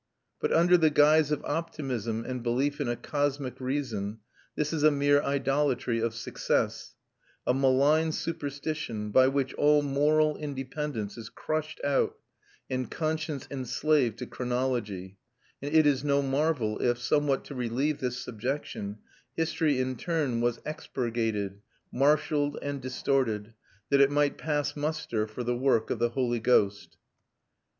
But under the guise of optimism and belief in a cosmic reason this is mere idolatry of success a malign superstition, by which all moral independence is crushed out and conscience enslaved to chronology; and it is no marvel if, somewhat to relieve this subjection, history in turn was expurgated, marshalled, and distorted, that it might pass muster for the work of the Holy Ghost.